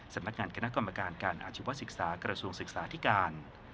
สำนักงานคณะกรรมการการอาชีวศึกษากระทรวงศึกษาธิการ